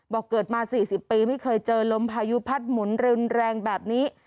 บอกเกิดมา๔๐ปีไม่เคยเจอลมพายุพัดหมุนรุนแรงแบบนี้